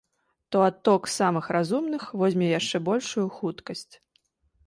То адток самых разумных возьме яшчэ большую хуткасць.